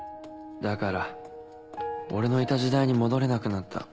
だから俺のいた時代に戻れなくなった。